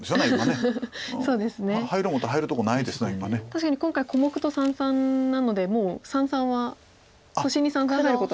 確かに今回小目と三々なのでもう三々は星に三々入ることは。